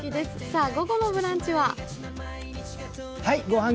さあ、午後の「ブランチ」は？